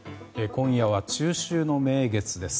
今夜は中秋の名月です。